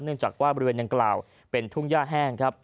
จากว่าบริเวณดังกล่าวเป็นทุ่งย่าแห้งครับ